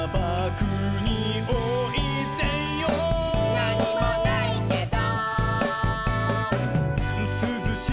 「なにもないけど」